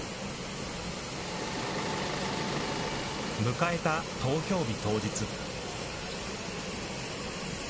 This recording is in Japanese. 迎えた投票日当日。